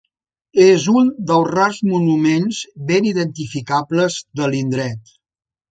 És un dels rars monuments ben identificables de l'indret.